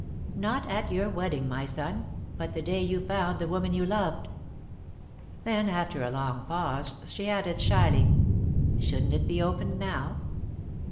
"Not at your wedding, my son, but the day you found the woman you loved." Then, after a long pause, she added, shyly: "Shouldn't it be opened now?"